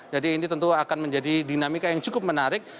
jadi ini tentu akan menjadi dinamika yang cukup menarik